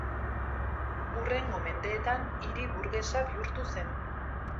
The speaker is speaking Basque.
Hurrengo mendeetan hiri burgesa bihurtu zen.